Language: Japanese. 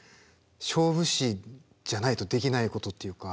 勝負師じゃないとできないことっていうか。